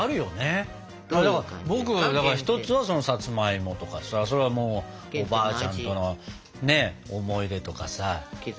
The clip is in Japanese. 僕一つはそのさつまいもとかさ。それはもうおばあちゃんとのね思い出とかさ。